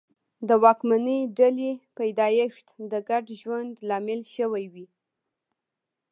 د واکمنې ډلې پیدایښت د ګډ ژوند لامل شوي وي.